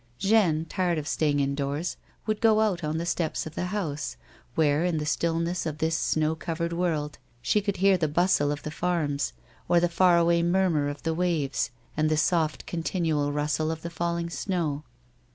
Jeanne, tired of sta}' ing indoors, would go out on the stops of the house, where, in the stillness of this snow covered worUl, slio conld henv (he bustle of the farms, or the far away murmur of the waves and the soft continual rustle of the falling snow.